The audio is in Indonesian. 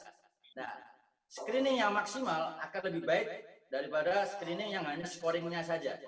nah screening yang maksimal akan lebih baik daripada screening yang hanya scoringnya saja